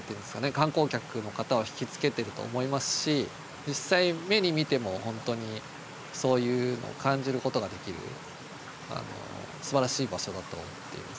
観光客の方を引き付けてると思いますし実際目に見ても本当にそういうのを感じることができるすばらしい場所だと思っています。